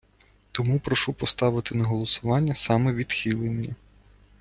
Тому прошу поставити на голосування саме відхилення.